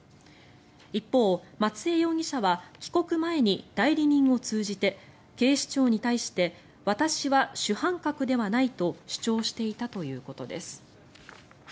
一方、松江容疑者は帰国前に代理人を通じて警視庁に対して私は主犯格ではないと主張していたということです。